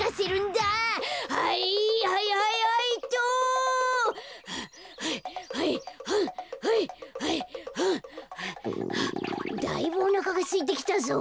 だいぶおなかがすいてきたぞ。